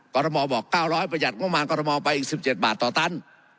กรทมบอก๙๐๐ประหยัดงบประมาณกรทมไปอีก๑๗บาทต่อตัน